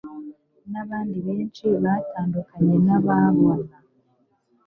n'abandi benshi batandukanye wababona.